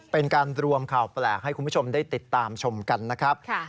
เป็นการรวมข่าวแปลกให้คุณผู้ชมได้ติดตามชมกันนะครับ